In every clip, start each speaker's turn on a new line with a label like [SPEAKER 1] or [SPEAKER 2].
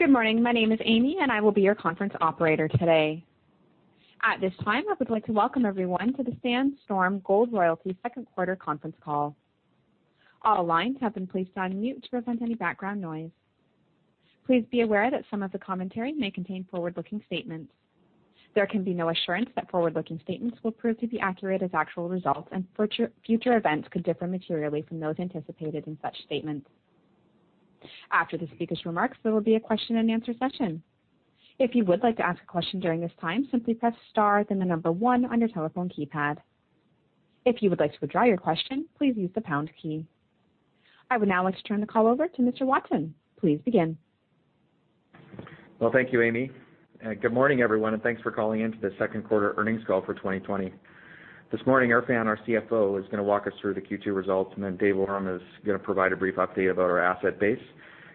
[SPEAKER 1] Good morning. My name is Amy, and I will be your conference operator today. At this time, I would like to welcome everyone to the Sandstorm Gold Royalties second quarter conference call. All lines have been placed on mute to prevent any background noise. Please be aware that some of the commentary may contain forward-looking statements. There can be no assurance that forward-looking statements will prove to be accurate as actual results and future events could differ materially from those anticipated in such statements. After the speaker's remarks, there will be a question and answer session. If you would like to ask a question during this time, simply press star, then the number one on your telephone keypad. If you would like to withdraw your question, please use the pound key. I would now like to turn the call over to Mr. Watson. Please begin.
[SPEAKER 2] Well, thank you, Amy. Good morning, everyone. Thanks for calling in to the second quarter earnings call for 2020. This morning, Erfan, our CFO, is going to walk us through the Q2 results. Then Dave Awram is going to provide a brief update about our asset base.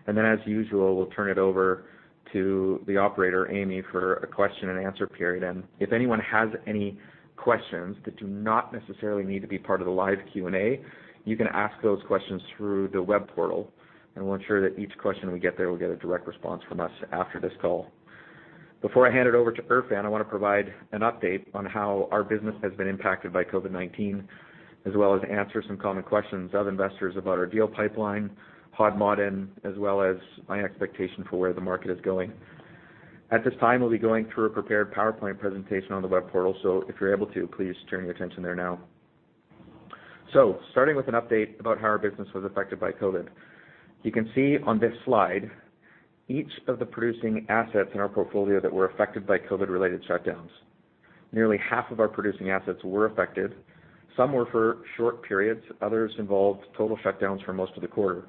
[SPEAKER 2] Then, as usual, we'll turn it over to the operator, Amy, for a question and answer period. If anyone has any questions that do not necessarily need to be part of the live Q&A, you can ask those questions through the web portal, and we'll ensure that each question we get there will get a direct response from us after this call. Before I hand it over to Erfan, I want to provide an update on how our business has been impacted by COVID-19, as well as answer some common questions of investors about our deal pipeline, Hod Maden, as well as my expectation for where the market is going. At this time, we'll be going through a prepared PowerPoint presentation on the web portal. If you're able to, please turn your attention there now. Starting with an update about how our business was affected by COVID. You can see on this slide each of the producing assets in our portfolio that were affected by COVID related shutdowns. Nearly half of our producing assets were affected. Some were for short periods, others involved total shutdowns for most of the quarter.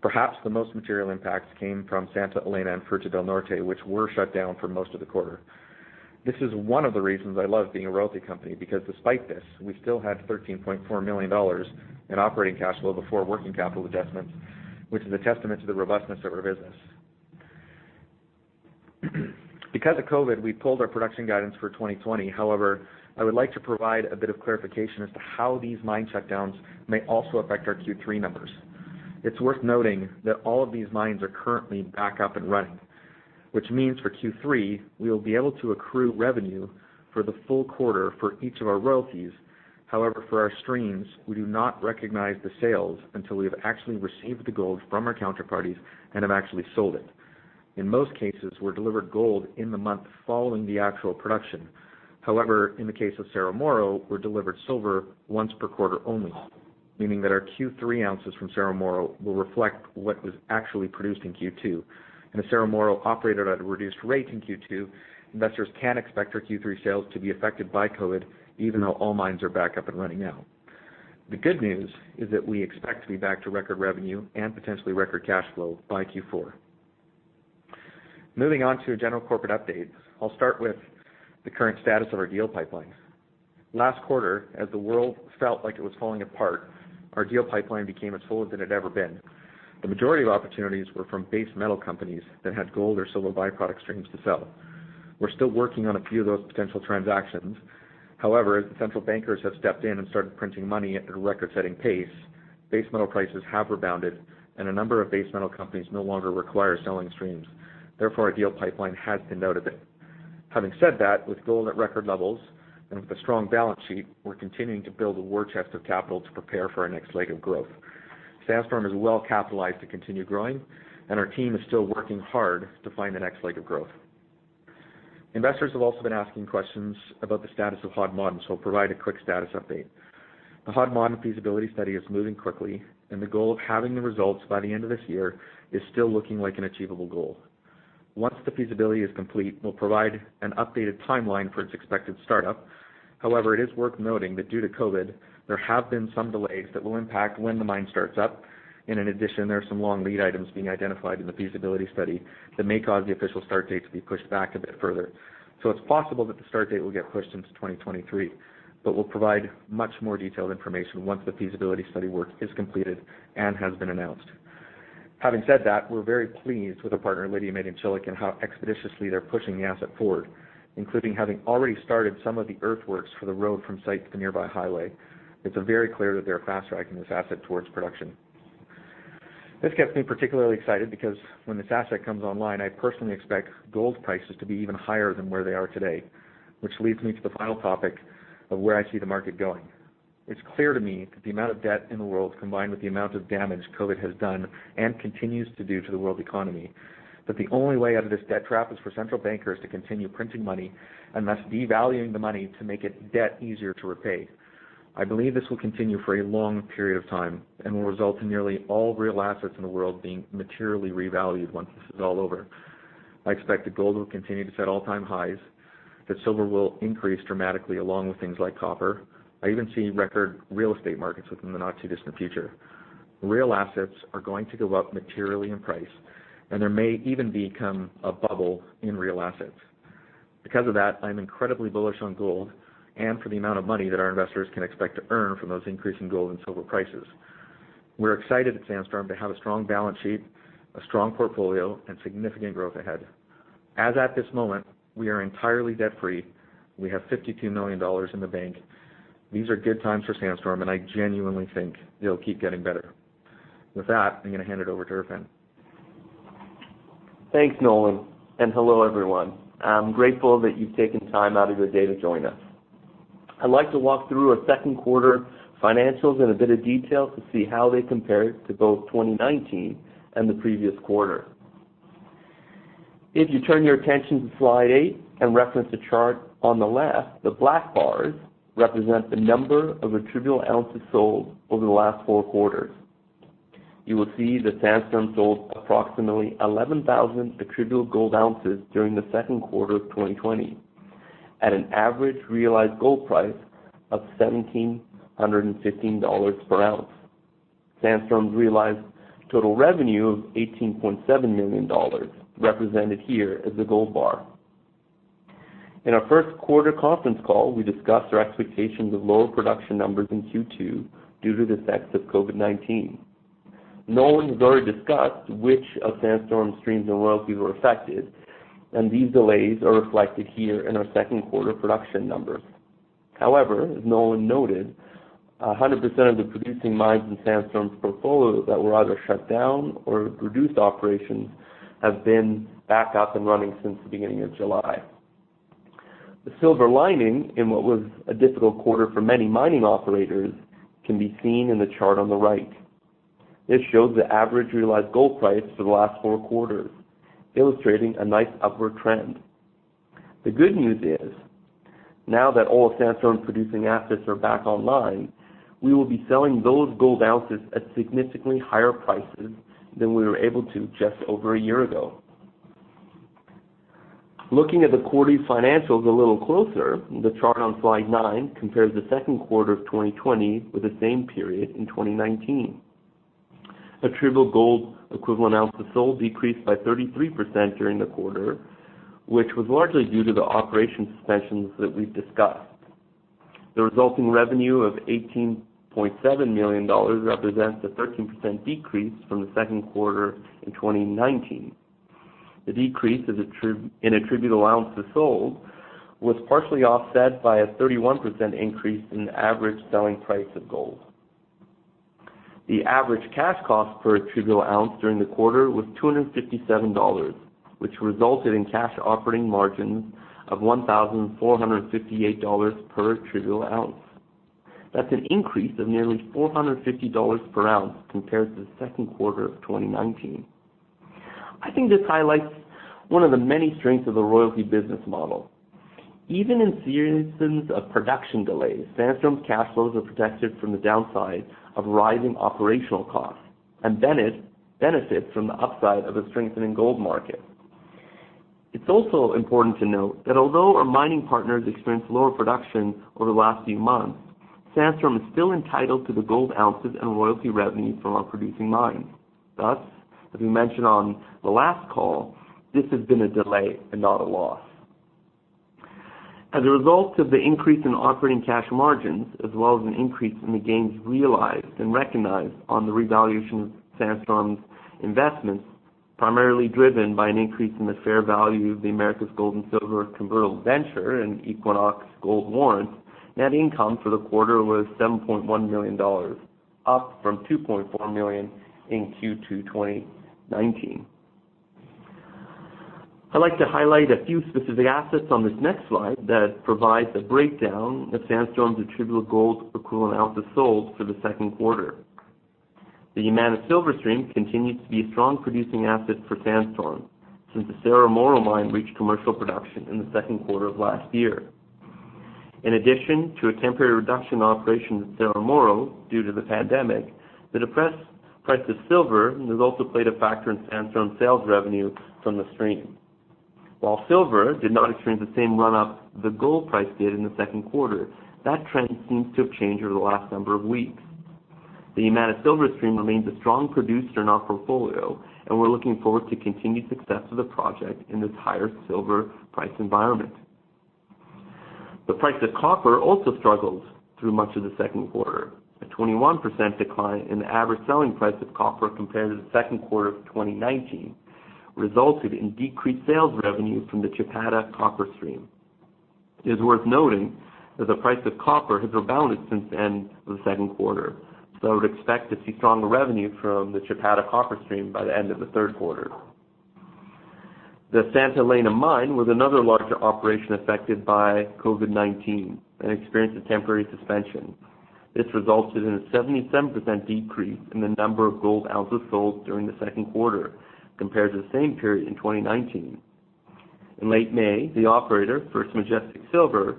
[SPEAKER 2] Perhaps the most material impacts came from Santa Elena and Fruta del Norte, which were shut down for most of the quarter. This is one of the reasons I love being a royalty company, because despite this, we still had $13.4 million in operating cash flow before working capital adjustments, which is a testament to the robustness of our business. Because of COVID, we pulled our production guidance for 2020. However, I would like to provide a bit of clarification as to how these mine shutdowns may also affect our Q3 numbers. It's worth noting that all of these mines are currently back up and running, which means for Q3, we will be able to accrue revenue for the full quarter for each of our royalties. For our streams, we do not recognize the sales until we have actually received the gold from our counterparties and have actually sold it. In most cases, we're delivered gold in the month following the actual production. In the case of Cerro Moro, we're delivered silver once per quarter only, meaning that our Q3 ounces from Cerro Moro will reflect what was actually produced in Q2. As Cerro Moro operated at a reduced rate in Q2, investors can expect our Q3 sales to be affected by COVID, even though all mines are back up and running now. The good news is that we expect to be back to record revenue and potentially record cash flow by Q4. Moving on to a general corporate update. I'll start with the current status of our deal pipeline. Last quarter, as the world felt like it was falling apart, our deal pipeline became as full as it had ever been. The majority of opportunities were from base metal companies that had gold or silver byproduct streams to sell. We're still working on a few of those potential transactions. However, as the central bankers have stepped in and started printing money at a record setting pace, base metal prices have rebounded, and a number of base metal companies no longer require selling streams. Therefore, our deal pipeline has been noted then. Having said that, with gold at record levels and with a strong balance sheet, we're continuing to build a war chest of capital to prepare for our next leg of growth. Sandstorm is well capitalized to continue growing, and our team is still working hard to find the next leg of growth. Investors have also been asking questions about the status of Hod Maden. I'll provide a quick status update. The Hod Maden feasibility study is moving quickly, and the goal of having the results by the end of this year is still looking like an achievable goal. Once the feasibility is complete, we'll provide an updated timeline for its expected startup. However, it is worth noting that due to COVID, there have been some delays that will impact when the mine starts up, and in addition, there are some long lead items being identified in the feasibility study that may cause the official start date to be pushed back a bit further. It's possible that the start date will get pushed into 2023, but we'll provide much more detailed information once the feasibility study work is completed and has been announced. ,Having said that, we're very pleased with our partner, Lidya Madencilik, and how expeditiously they're pushing the asset forward, including having already started some of the earthworks for the road from site to the nearby highway. It's very clear that they are fast-tracking this asset towards production. This gets me particularly excited because when this asset comes online, I personally expect gold prices to be even higher than where they are today. Which leads me to the final topic of where I see the market going. It's clear to me that the amount of debt in the world, combined with the amount of damage COVID-19 has done and continues to do to the world economy, that the only way out of this debt trap is for central bankers to continue printing money and thus devaluing the money to make it debt easier to repay. I believe this will continue for a long period of time and will result in nearly all real assets in the world being materially revalued once this is all over. I expect that gold will continue to set all time highs, that silver will increase dramatically along with things like copper. I even see record real estate markets within the not too distant future. Because of that, I'm incredibly bullish on gold and for the amount of money that our investors can expect to earn from those increasing gold and silver prices. We're excited at Sandstorm to have a strong balance sheet, a strong portfolio, and significant growth ahead. As at this moment, we are entirely debt-free. We have $52 million in the bank. These are good times for Sandstorm. I genuinely think they'll keep getting better. With that, I'm going to hand it over to Erfan.
[SPEAKER 3] Thanks, Nolan, and hello, everyone. I'm grateful that you've taken time out of your day to join us. I'd like to walk through our second quarter financials in a bit of detail to see how they compare to both 2019 and the previous quarter. If you turn your attention to slide eight and reference the chart on the left, the black bars represent the number of attributable ounces sold over the last four quarters. You will see that Sandstorm sold approximately 11,000 attributable gold ounces during the second quarter of 2020 at an average realized gold price of $1,715 per ounce. Sandstorm realized total revenue of $18.7 million, represented here as a gold bar. In our first quarter conference call, we discussed our expectations of lower production numbers in Q2 due to the effects of COVID-19. Nolan has already discussed which of Sandstorm's streams and royalties were affected, and these delays are reflected here in our second quarter production numbers. As Nolan noted, 100% of the producing mines in Sandstorm's portfolio that were either shut down or reduced operations have been back up and running since the beginning of July. The silver lining in what was a difficult quarter for many mining operators can be seen in the chart on the right. This shows the average realized gold price for the last four quarters, illustrating a nice upward trend. The good news is, now that all of Sandstorm's producing assets are back online, we will be selling those gold ounces at significantly higher prices than we were able to just over a year ago. Looking at the quarterly financials a little closer, the chart on slide nine compares the second quarter of 2020 with the same period in 2019. Attributable gold equivalent ounces sold decreased by 33% during the quarter, which was largely due to the operation suspensions that we've discussed. The resulting revenue of $18.7 million represents a 13% decrease from the second quarter in 2019. The decrease in attributable ounces sold was partially offset by a 31% increase in the average selling price of gold. The average cash cost per attributable ounce during the quarter was $257, which resulted in cash operating margins of $1,458 per attributable ounce. That's an increase of nearly $450 per ounce compared to the second quarter of 2019. I think this highlights one of the many strengths of the royalty business model. Even in instances of production delays, Sandstorm's cash flows are protected from the downside of rising operational costs and benefit from the upside of a strengthening gold market. It's also important to note that although our mining partners experienced lower production over the last few months, Sandstorm is still entitled to the gold ounces and royalty revenue from our producing mines. Thus, as we mentioned on the last call, this has been a delay and not a loss. As a result of the increase in operating cash margins, as well as an increase in the gains realized and recognized on the revaluation of Sandstorm's investments, primarily driven by an increase in the fair value of the Americas Gold and Silver convertible debenture and Equinox Gold warrants, net income for the quarter was $7.1 million, up from $2.4 million in Q2 2019. I'd like to highlight a few specific assets on this next slide that provides a breakdown of Sandstorm's attributable gold equivalent ounces sold for the second quarter. The Yamana Silver stream continues to be a strong producing asset for Sandstorm since the Cerro Moro mine reached commercial production in the second quarter of last year. In addition to a temporary reduction in operation at Cerro Moro due to the pandemic, the depressed price of silver has also played a factor in Sandstorm sales revenue from the stream. While silver did not experience the same run-up the gold price did in the second quarter, that trend seems to have changed over the last number of weeks. The Yamana Silver stream remains a strong producer in our portfolio, and we're looking forward to continued success of the project in this higher silver price environment. The price of copper also struggled through much of the second quarter. A 21% decline in the average selling price of copper compared to the second quarter of 2019 resulted in decreased sales revenue from the Chapada copper stream. It is worth noting that the price of copper has rebounded since the end of the second quarter, so I would expect to see stronger revenue from the Chapada copper stream by the end of the third quarter. The Santa Elena mine was another larger operation affected by COVID-19 and experienced a temporary suspension. This resulted in a 77% decrease in the number of gold ounces sold during the second quarter compared to the same period in 2019. In late May, the operator, First Majestic Silver,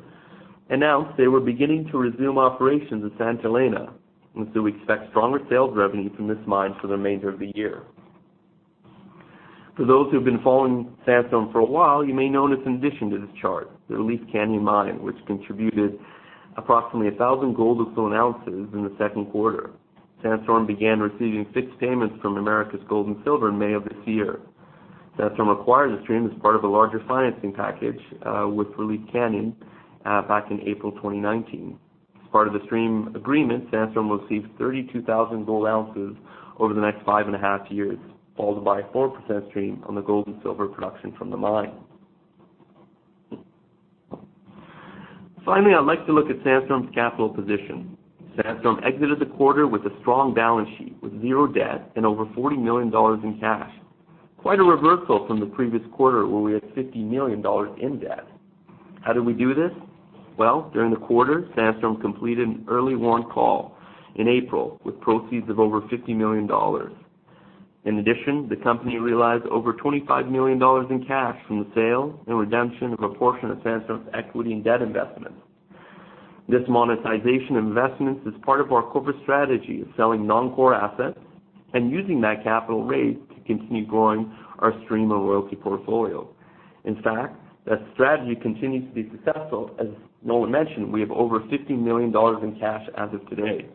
[SPEAKER 3] announced they were beginning to resume operations at Santa Elena, and so we expect stronger sales revenue from this mine for the remainder of the year. For those who have been following Sandstorm for a while, you may notice an addition to this chart, the Relief Canyon mine, which contributed approximately 1,000 gold-equivalent ounces in the second quarter. Sandstorm began receiving fixed payments from Americas Gold and Silver in May of this year. Sandstorm acquired the stream as part of a larger financing package with Relief Canyon back in April 2019. As part of the stream agreement, Sandstorm will receive 32,000 gold ounces over the next five and a half years, followed by a 4% stream on the gold and silver production from the mine. Finally, I'd like to look at Sandstorm's capital position. Sandstorm exited the quarter with a strong balance sheet, with zero debt and over $40 million in cash. Quite a reversal from the previous quarter, where we had $50 million in debt. How did we do this? Well, during the quarter, Sandstorm completed an early warrant call in April with proceeds of over $50 million. In addition, the company realized over $25 million in cash from the sale and redemption of a portion of Sandstorm's equity and debt investment. This monetization investment is part of our corporate strategy of selling non-core assets and using that capital raised to continue growing our stream and royalty portfolio. In fact, that strategy continues to be successful. As Nolan mentioned, we have over $50 million in cash as of today.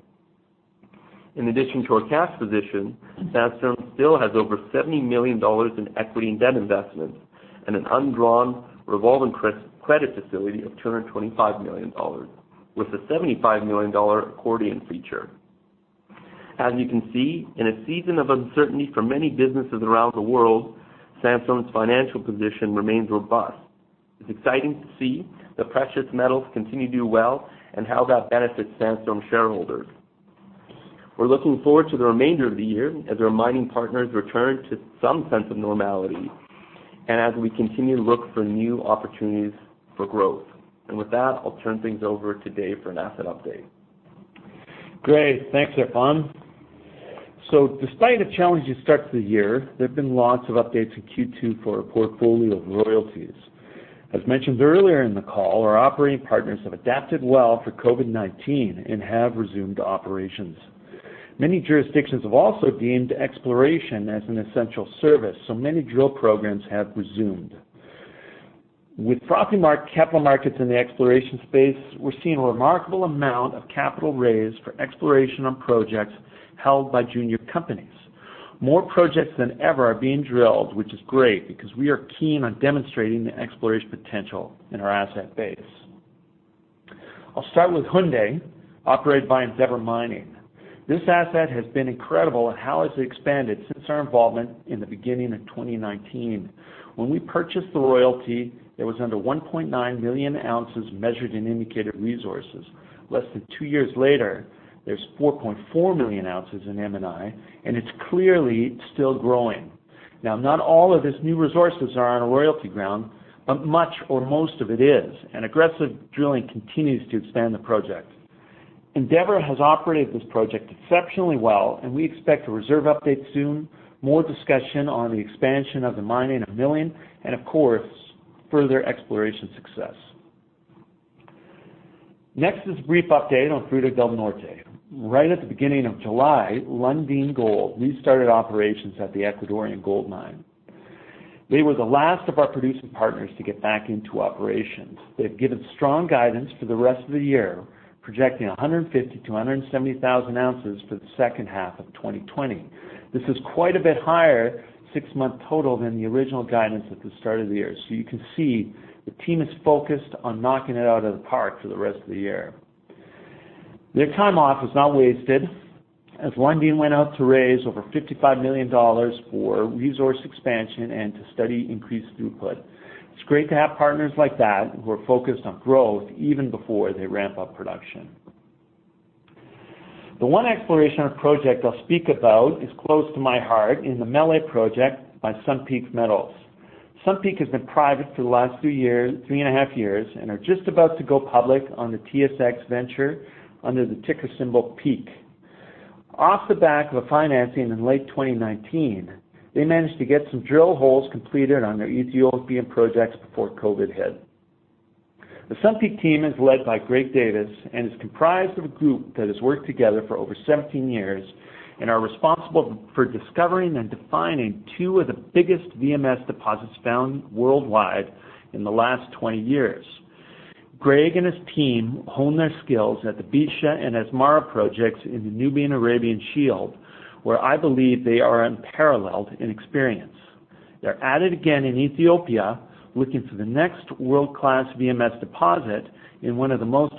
[SPEAKER 3] In addition to our cash position, Sandstorm still has over $70 million in equity and debt investments and an undrawn revolving credit facility of $225 million, with a $75 million accordion feature. As you can see, in a season of uncertainty for many businesses around the world, Sandstorm's financial position remains robust. It's exciting to see the precious metals continue to do well and how that benefits Sandstorm shareholders. We're looking forward to the remainder of the year as our mining partners return to some sense of normality and as we continue to look for new opportunities for growth. With that, I'll turn things over to Dave for an asset update.
[SPEAKER 4] Great. Thanks, Erfan. Despite a challenging start to the year, there have been lots of updates in Q2 for our portfolio of royalties. As mentioned earlier in the call, our operating partners have adapted well for COVID-19 and have resumed operations. Many jurisdictions have also deemed exploration as an essential service, many drill programs have resumed. With frothy capital markets in the exploration space, we're seeing a remarkable amount of capital raised for exploration on projects held by junior companies. More projects than ever are being drilled, which is great because we are keen on demonstrating the exploration potential in our asset base. I'll start with Houndé, operated by Endeavour Mining. This asset has been incredible at how it's expanded since our involvement in the beginning of 2019. When we purchased the royalty, it was under 1.9 million ounces measured in indicated resources. Less than two years later, there's 4.4 million ounces in M&I, and it's clearly still growing. Not all of these new resources are on a royalty ground, but much or most of it is, and aggressive drilling continues to expand the project. Endeavour has operated this project exceptionally well, and we expect a reserve update soon, more discussion on the expansion of the mining and milling, and of course, further exploration success. Next is a brief update on Fruta del Norte. Right at the beginning of July, Lundin Gold restarted operations at the Ecuadorian gold mine. They were the last of our producing partners to get back into operations. They've given strong guidance for the rest of the year, projecting 150,000-170,000 ounces for the second half of 2020. This is quite a bit higher six-month total than the original guidance at the start of the year. You can see the team is focused on knocking it out of the park for the rest of the year. Their time off was not wasted as Lundin went out to raise over $55 million for resource expansion and to study increased throughput. It's great to have partners like that who are focused on growth even before they ramp up production. The one exploration project I'll speak about is close to my heart, is the Meli project by Sun Peak Metals. Sun Peak has been private for the last three-and-a-half years and just about to go public on the TSX Venture under the ticker symbol Peak. Off the back of a financing in late 2019, they managed to get some drill holes completed on their Ethiopian projects before COVID hit. The Sun Peak team is led by Greg Davis and is comprised of a group that has worked together for over 17 years and are responsible for discovering and defining two of the biggest VMS deposits found worldwide in the last 20 years. Greg and his team honed their skills at the Bisha and Asmara projects in the Nubian-Arabian Shield, where I believe they are unparalleled in experience. They're at it again in Ethiopia, looking for the next world-class VMS deposit in one of the most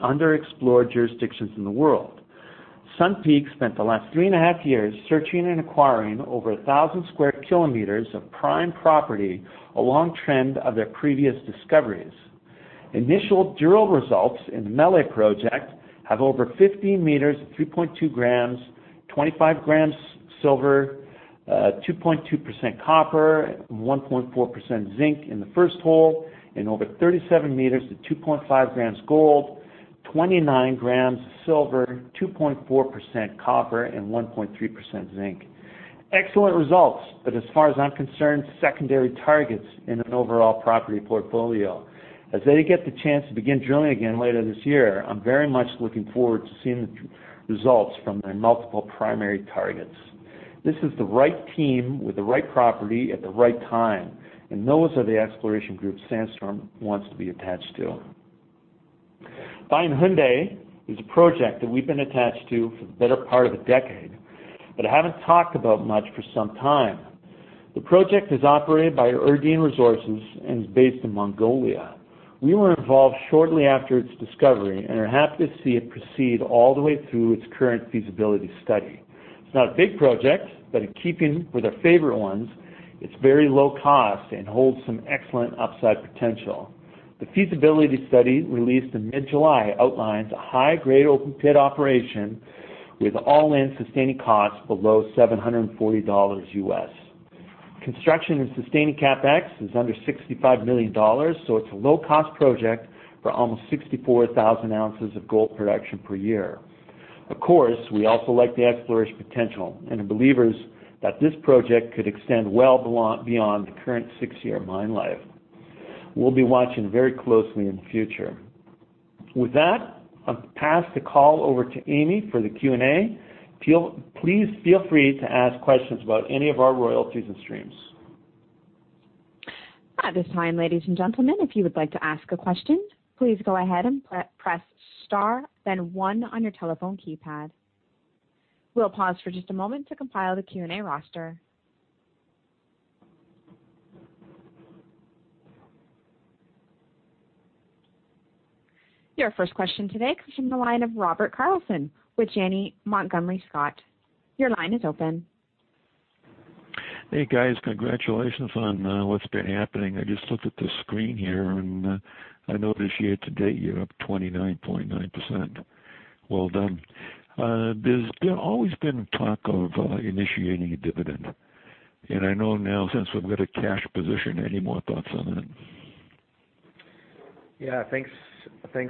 [SPEAKER 4] underexplored jurisdictions in the world. Sun Peak spent the last three-and-a-half years searching and acquiring over 1,000 square kilometers of prime property along trend of their previous discoveries. Initial drill results in the Meli project have over 15 meters, 3.2 grams, 25 grams of silver, 2.2% copper, 1.4% zinc in the first hole, and over 37 meters at 2.5 grams gold, 29 grams of silver, 2.4% copper, and 1.3% zinc. Excellent results, as far as I'm concerned, secondary targets in an overall property portfolio. As they get the chance to begin drilling again later this year, I'm very much looking forward to seeing the results from their multiple primary targets. This is the right team with the right property at the right time; those are the exploration groups Sandstorm wants to be attached to. Finally, Houndé is a project that we've been attached to for the better part of a decade but haven't talked about much for some time. The project is operated by Erdene Resource Development and is based in Mongolia. We were involved shortly after its discovery and are happy to see it proceed all the way through its current feasibility study. It's not a big project, but in keeping with our favorite ones, it's very low cost and holds some excellent upside potential. The feasibility study, released in mid-July, outlines a high-grade open-pit operation with all-in sustaining costs below $740 US. Construction and sustaining CapEx is under $65 million. It's a low-cost project for almost 64,000 ounces of gold production per year. Of course, we also like the exploration potential and are believers that this project could extend well beyond the current six-year mine life. We'll be watching very closely in the future. With that, I'll pass the call over to Amy for the Q&A. Please feel free to ask questions about any of our royalties and streams.
[SPEAKER 1] At this time, ladies and gentlemen, if you would like to ask a question, please go ahead and press star then one on your telephone keypad. We'll pause for just a moment to compile the Q&A roster. Your first question today comes from the line of Robert Carlson with Janney Montgomery Scott. Your line is open.
[SPEAKER 5] Hey, guys. Congratulations on what's been happening. I just looked at the screen here, and I notice year to date, you're up 29.9%. Well done. There's always been talk of initiating a dividend, and I know now since we've got a cash position, any more thoughts on that?
[SPEAKER 2] Yeah, thanks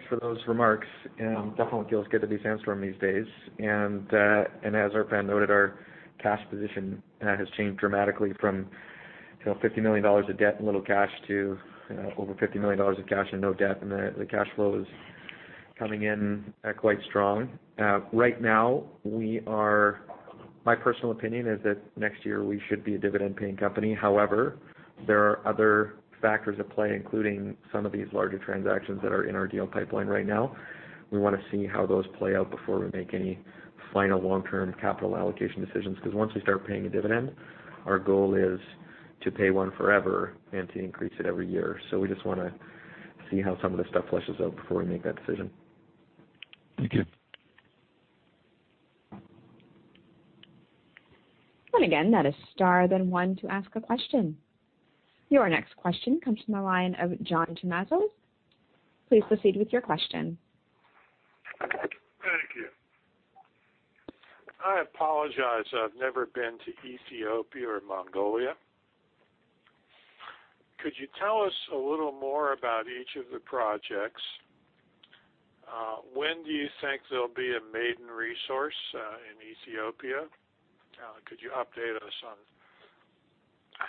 [SPEAKER 2] for those remarks. Definitely feels good to be Sandstorm these days. As our friend noted, our cash position has changed dramatically from $50 million of debt and little cash to over $50 million of cash and no debt. The cash flow is coming in quite strong. Right now, my personal opinion is that next year we should be a dividend-paying company. However, there are other factors at play, including some of these larger transactions that are in our deal pipeline right now. We want to see how those play out before we make any final long-term capital allocation decisions, because once we start paying a dividend, our goal is to pay one forever and to increase it every year. We just want to see how some of this stuff fleshes out before we make that decision.
[SPEAKER 5] Thank you.
[SPEAKER 1] Again, that is star then one to ask a question. Your next question comes from the line of John Tomasso. Please proceed with your question.
[SPEAKER 6] Thank you. I apologize, I've never been to Ethiopia or Mongolia. Could you tell us a little more about each of the projects? When do you think there'll be a maiden resource in Ethiopia? Could you update us on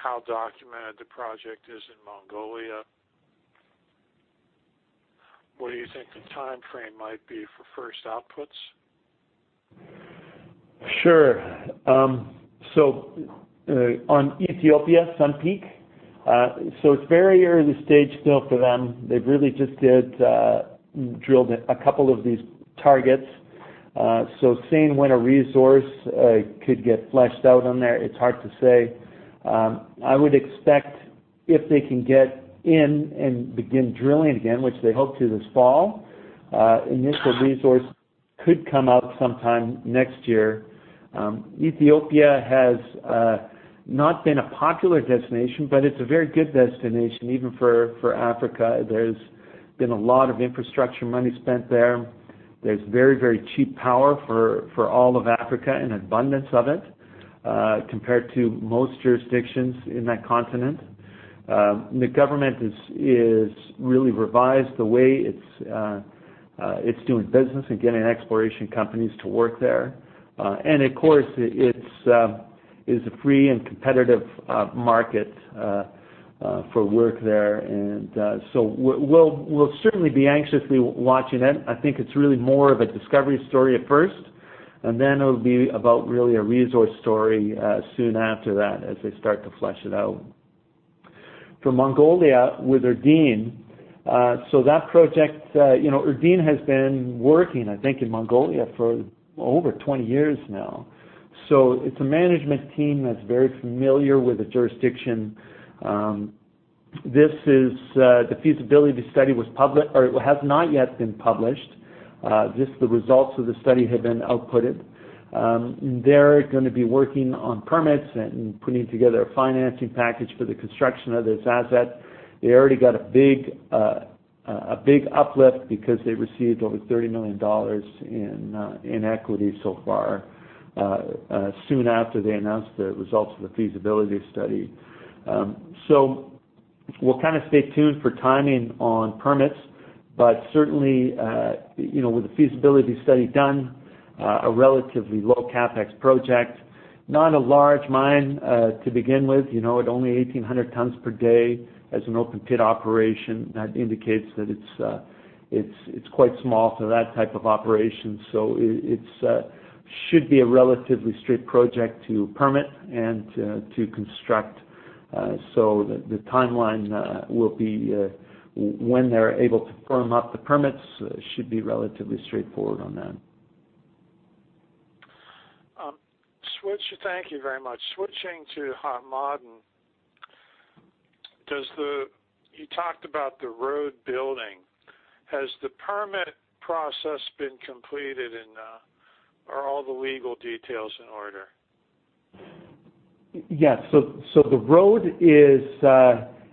[SPEAKER 6] how documented the project is in Mongolia? What do you think the timeframe might be for first outputs?
[SPEAKER 4] Sure. On Ethiopia, Sun Peak so it's very early stage still for them. They really just did drill a couple of these targets. Seeing when a resource could get fleshed out on there, it's hard to say. I would expect if they can get in and begin drilling again, which they hope to this fall, initial resource could come out sometime next year. Ethiopia has not been a popular destination, but it's a very good destination, even for Africa. There's been a lot of infrastructure money spent there. There's very cheap power for all of Africa and abundance of it compared to most jurisdictions in that continent. The government has really revised the way it's doing business and getting exploration companies to work there. Of course, it's a free and competitive market for work there. We'll certainly be anxiously watching that. I think it's really more of a discovery story at first, and then it'll be about really a resource story soon after that as they start to flesh it out. For Mongolia with Erdene has been working in Mongolia for over 20 years now. It's a management team that's very familiar with the jurisdiction. The feasibility study has not yet been published. Just the results of the study have been output. They're going to be working on permits and putting together a financing package for the construction of this asset. They already got a big uplift because they received over $30 million in equity so far, soon after they announced the results of the feasibility study. We'll stay tuned for timing on permits, but certainly, with the feasibility study done, a relatively low CapEx project. Not a large mine to begin with, at only 1,800 tons per day as an open-pit operation. That indicates that it's quite small for that type of operation. It should be a relatively straight project to permit and to construct. The timeline will be when they're able to firm up the permits, should be relatively straightforward on that.
[SPEAKER 6] Thank you very much. Switching to Hod Maden, you talked about the road building. Has the permit process been completed, and are all the legal details in order?
[SPEAKER 4] Yes.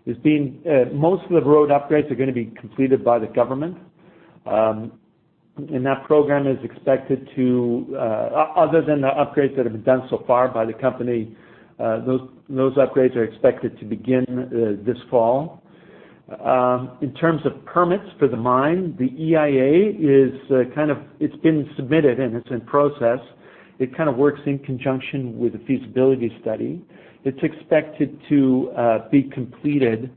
[SPEAKER 4] Most of the road upgrades are going to be completed by the government. That program is expected to, other than the upgrades that have been done so far by the company, those upgrades are expected to begin this fall. In terms of permits for the mine, the EIA, it's been submitted and it's in process. It kind of works in conjunction with the feasibility study. It's expected to be completed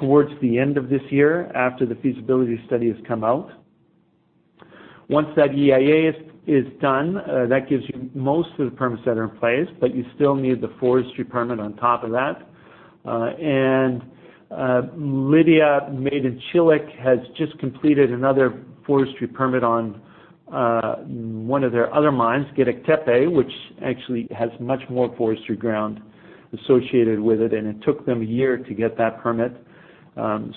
[SPEAKER 4] towards the end of this year after the feasibility study has come out. Once that EIA is done, that gives you most of the permits that are in place, but you still need the forestry permit on top of that. Lidya Madencilik has just completed another forestry permit on one of their other mines, Gediktepe, which actually has much more forestry ground associated with it, and it took them a year to get that permit. We'll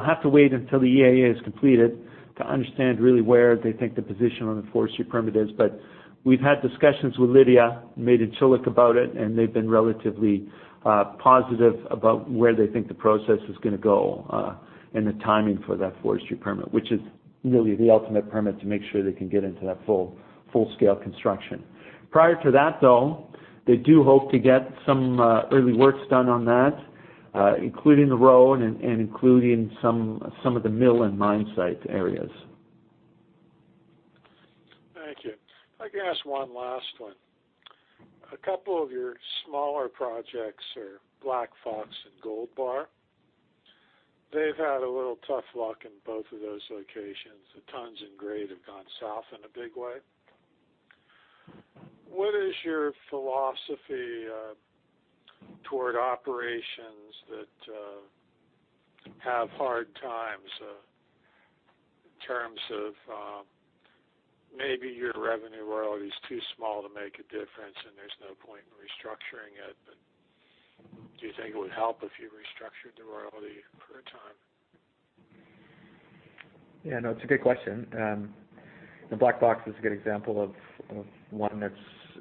[SPEAKER 4] have to wait until the EIA is completed to understand really where they think the position on the forestry permit is. We've had discussions with Lidya Madencilik about it, and they've been relatively positive about where they think the process is going to go, and the timing for that forestry permit, which is really the ultimate permit to make sure they can get into that full-scale construction. Prior to that, though, they do hope to get some early works done on that, including the road and including some of the mill and mine site areas.
[SPEAKER 6] Thank you. If I could ask one last one. A couple of your smaller projects are Black Fox and Gold Bar. They've had a little tough luck in both of those locations. The tons and grade have gone south in a big way. What is your philosophy toward operations that have hard times, in terms of maybe your revenue royalty is too small to make a difference and there's no point in restructuring it, but do you think it would help if you restructured the royalty for a time?
[SPEAKER 4] No, it's a good question. Black Fox is a good example of one that's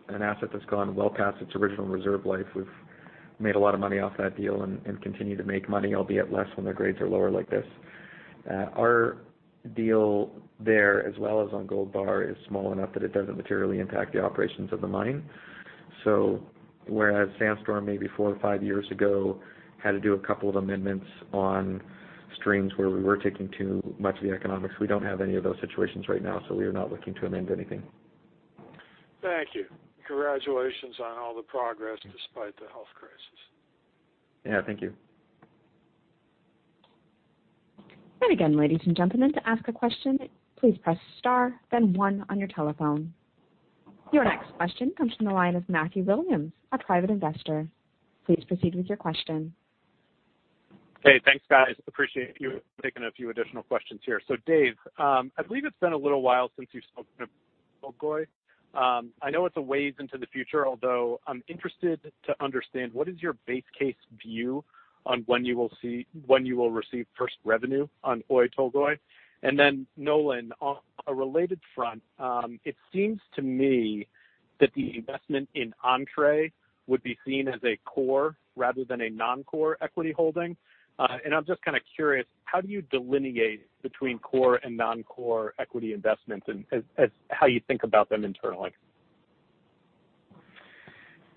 [SPEAKER 4] an asset that's gone well past its original reserve life. We've made a lot of money off that deal and continue to make money, albeit less when their grades are lower like this. Our deal there, as well as on Gold Bar, is small enough that it doesn't materially impact the operations of the mine. Whereas Sandstorm, maybe four or five years ago, had to do a couple of amendments on streams where we were taking too much of the economics, we don't have any of those situations right now, so we are not looking to amend anything.
[SPEAKER 6] Thank you. Congratulations on all the progress despite the health crisis.
[SPEAKER 4] Yeah, thank you.
[SPEAKER 1] Again, ladies and gentlemen, to ask a question, please press star then one on your telephone. Your next question comes from the line of Matthew Williams, a Private Investor. Please proceed with your question.
[SPEAKER 7] Hey, thanks, guys. Appreciate you taking a few additional questions here. Dave, I believe it's been a little while since you've spoken of Oyu Tolgoi. I know it's a ways into the future, although I'm interested to understand what is your base case view on when you will receive first revenue on Oyu Tolgoi? Nolan, on a related front, it seems to me that the investment in Entrée would be seen as a core rather than a non-core equity holding. I'm just kind of curious, how do you delineate between core and non-core equity investments as you think about them internally?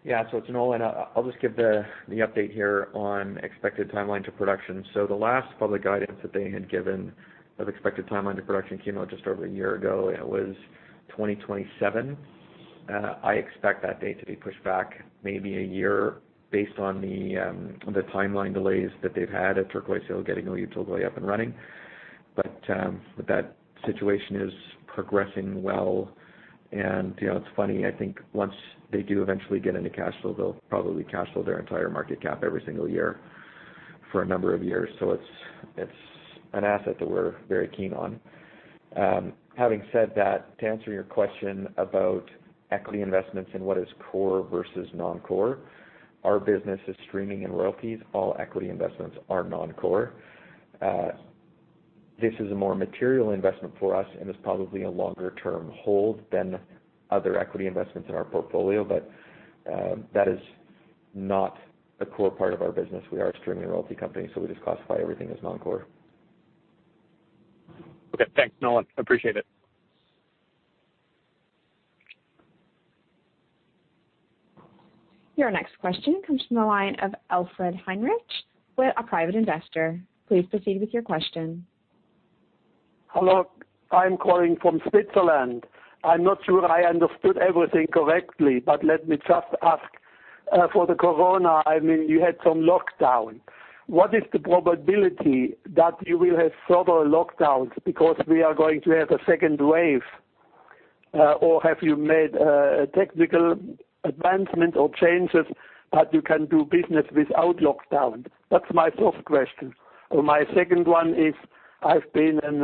[SPEAKER 2] Yeah. It's Nolan. I'll just give the update here on expected timeline to production. The last public guidance that they had given of expected timeline to production came out just over a year ago. It was 2027. I expect that date to be pushed back maybe a year based on the timeline delays that they've had at Turquoise Hill getting Oyu Tolgoi up and running. That situation is progressing well. It's funny, I think once they do eventually get into cash flow, they'll probably cash flow their entire market cap every single year for a number of years. It's an asset that we're very keen on. Having said that, to answer your question about equity investments and what is core versus non-core, our business is streaming and royalties. All equity investments are non-core. This is a more material investment for us and is probably a longer-term hold than other equity investments in our portfolio. That is not a core part of our business. We are a streaming royalty company, so we just classify everything as non-core.
[SPEAKER 7] Okay, thanks, Nolan. Appreciate it.
[SPEAKER 1] Your next question comes from the line of Alfred Heinrich, a private investor. Please proceed with your question.
[SPEAKER 8] Hello, I'm calling from Switzerland. I'm not sure I understood everything correctly, but let me just ask. For the corona, you had some lockdowns. What is the probability that you will have further lockdowns because we are going to have a second wave, or have you made a technical advancement or changes, but you can do business without lockdown? That's my first question. My second one is, I've been an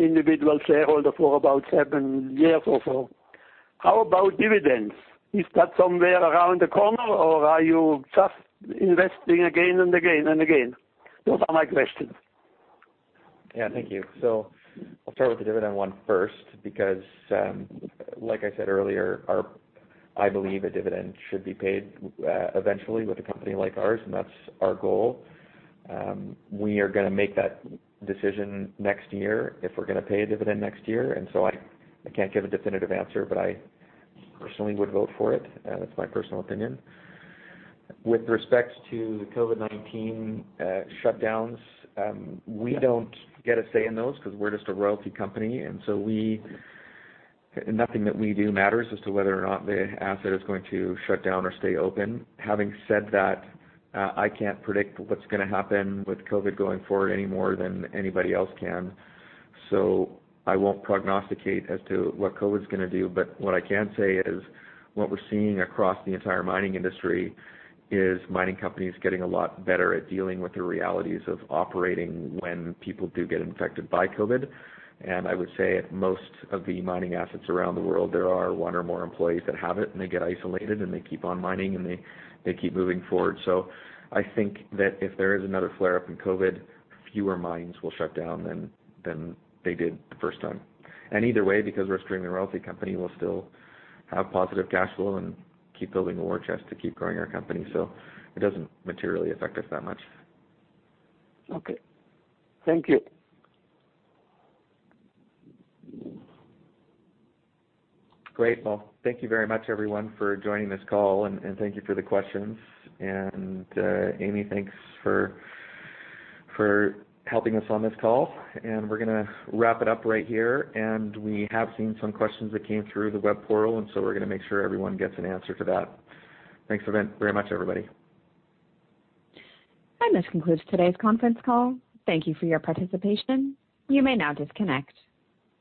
[SPEAKER 8] individual shareholder for about seven years or so. How about dividends? Is that somewhere around the corner, or are you just investing again and again and again? Those are my questions.
[SPEAKER 2] Yeah, thank you. I'll start with the dividend one first because, like I said earlier, I believe a dividend should be paid eventually with a company like ours, and that's our goal. We are going to make that decision next year if we're going to pay a dividend next year. I can't give a definitive answer, but I personally would vote for it. That's my personal opinion. With respect to COVID-19 shutdowns, we don't get a say in those because we're just a royalty company; nothing that we do matters as to whether or not the asset is going to shut down or stay open. Having said that, I can't predict what's going to happen with COVID going forward any more than anybody else can, I won't prognosticate as to what COVID's going to do. What I can say is what we're seeing across the entire mining industry is mining companies getting a lot better at dealing with the realities of operating when people do get infected by COVID. I would say at most of the mining assets around the world, there are one or more employees that have it, and they get isolated, and they keep on mining, and they keep moving forward. I think that if there is another flare-up in COVID, fewer mines will shut down than they did the first time. Either way, because we're a streaming royalty company, we'll still have positive cash flow and keep building a war chest to keep growing our company. It doesn't materially affect us that much.
[SPEAKER 8] Okay. Thank you.
[SPEAKER 2] Great. Well, thank you very much, everyone, for joining this call, and thank you for the questions. Amy, thanks for helping us on this call. We're going to wrap it up right here. We have seen some questions that came through the web portal, so we're going to make sure everyone gets an answer to that. Thanks very much, everybody.
[SPEAKER 1] This concludes today's conference call. Thank you for your participation. You may now disconnect.